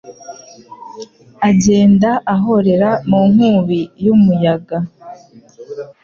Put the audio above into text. agenda ahorera mu nkubi y’umuyaga